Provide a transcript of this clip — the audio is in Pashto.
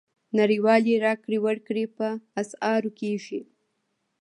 نړیوالې راکړې ورکړې په اسعارو کېږي.